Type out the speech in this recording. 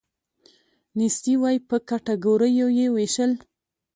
نیستي وی په کټګوریو یې ویشل.